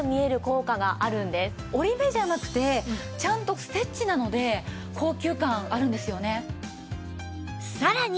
折り目じゃなくてちゃんとステッチなので高級感あるんですよね。